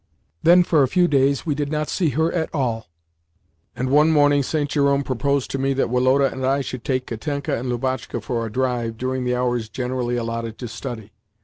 Then for a few days we did not see her at all, and one morning St. Jerome proposed to me that Woloda and I should take Katenka and Lubotshka for a drive during the hours generally allotted to study.